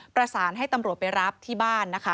ประสานให้ตำรวจไปรับที่บ้านนะคะ